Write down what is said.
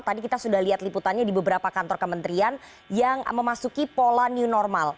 tadi kita sudah lihat liputannya di beberapa kantor kementerian yang memasuki pola new normal